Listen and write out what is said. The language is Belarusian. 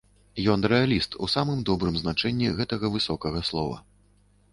Ён рэаліст у самым добрым значэнні гэтага высокага слова.